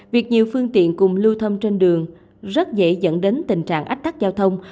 việc nhiều phương tiện cùng lưu thông trên đường rất dễ dẫn đến tình trạng ách tắc giao thông